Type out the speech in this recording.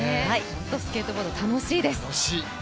スケートボード楽しいです。